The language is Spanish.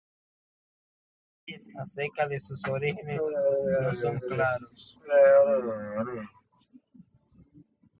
Los detalles acerca de sus orígenes no son claros.